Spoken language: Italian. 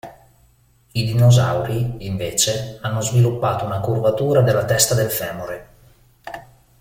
I dinosauri, invece, hanno sviluppato una curvatura della testa del femore.